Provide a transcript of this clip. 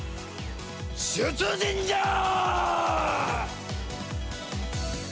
出陣じゃあ！